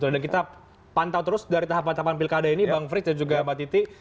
dan kita pantau terus dari tahap tahapan pilkada ini bang frits dan juga mbak titi